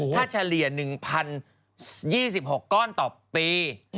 ถ้าเฉลี่ย๑๐๒๖ก้อนต่อปี